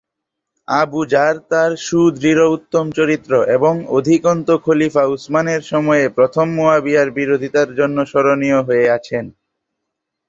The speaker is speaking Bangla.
আবু যার তার সুদৃঢ় উত্তম চরিত্র এবং অধিকন্তু খলিফা উসমানের সময়ে প্রথম মুয়াবিয়ার বিরোধিতার জন্য স্মরণীয় হয়ে আছেন।